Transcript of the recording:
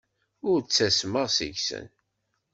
Ur ttasmeɣ seg-sen.